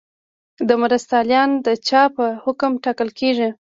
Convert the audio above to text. مرستیالان د چا په حکم ټاکل کیږي؟